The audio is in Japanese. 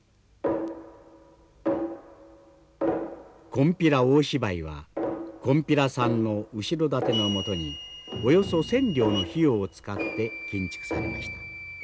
金毘羅大芝居はこんぴらさんの後ろ盾のもとにおよそ１，０００両の費用を使って建築されました。